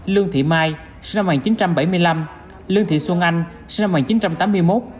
lương thị mai sinh năm một nghìn chín trăm bảy mươi năm lương thị xuân anh sinh năm một nghìn chín trăm tám mươi một